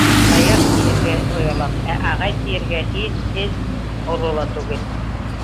Саяр тиергә оялам, ә «ағай» тиергә... һин... һеҙ... оло ла түгел.